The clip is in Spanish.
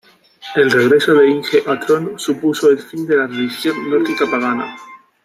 El regreso de Inge a trono supuso el fin de la religión nórdica pagana.